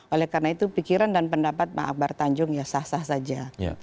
oleh karena itu pikiran dan pendapat pak akbar tanjung ya sah sah saja